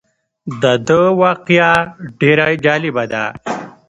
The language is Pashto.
دده واقعه ډېره جالبه ده.